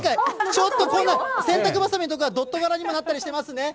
ちょっとこの洗濯ばさみとか、ドット柄にもなったりしてますね。